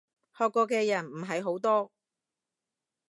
學過嘅人唔係好多